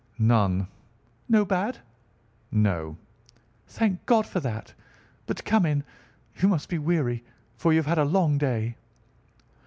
"None." "No bad?" "No." "Thank God for that. But come in. You must be weary, for you have had a long day."